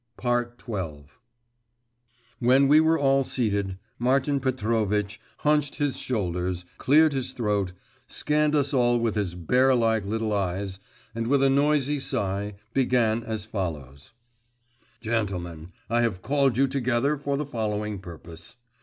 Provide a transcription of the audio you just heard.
XII When we were all seated, Martin Petrovitch hunched his shoulders, cleared his throat, scanned us all with his bear like little eyes, and with a noisy sigh began as follows: 'Gentlemen, I have called you together for the following purpose.